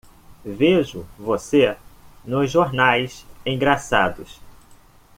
Vejo você nos jornais engraçados.